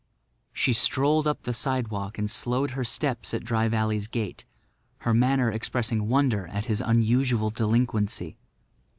She strolled up the sidewalk and slowed her steps at Dry Valley's gate, her manner expressing wonder at his unusual delinquency.